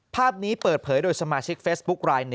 ภาพนี้เปิดเผยโดยสมาชิกเฟซบุ๊คลาย๑